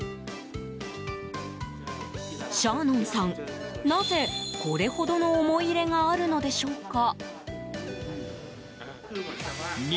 シャーノンさん、なぜこれほどの思い入れがあるのでしょうか。